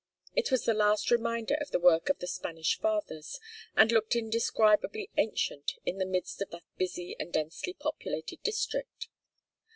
It was the last reminder of the work of the Spanish fathers, and looked indescribably ancient in the midst of that busy and densely populated district.